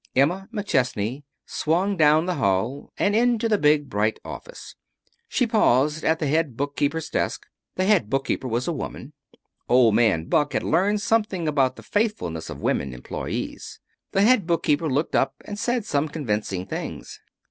Emma McChesney swung down the hall and into the big, bright office. She paused at the head bookkeeper's desk. The head bookkeeper was a woman. Old Man Buck had learned something about the faithfulness of women employees. The head bookkeeper looked up and said some convincing things.